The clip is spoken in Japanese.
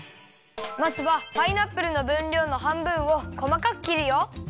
まずはパイナップルのぶんりょうのはんぶんをこまかくきるよ。